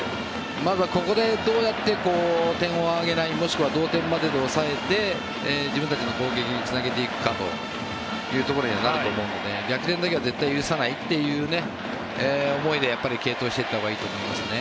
まずはここでどうやって点をあげないもしくは同点までで抑えて自分たちの攻撃につなげていくのかというところになると思うので逆転だけは絶対許さないという思いで継投していったほうがいいと思いますね。